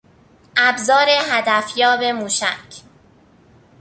ابزار هدفیاب موشک